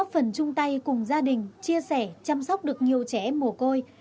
góp phần chung tay cùng gia đình chia sẻ chăm sóc được nhiều trẻ em mồ côi